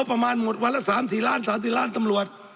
ว่าประมาณหมดวันละ๔๐ล้าน๓๐ล้านตัมหลวด